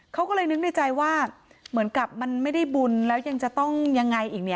เขาก็เลยนึกในใจว่าเหมือนกับมันไม่ได้บุญแล้วยังจะต้องยังไงอีกเนี่ย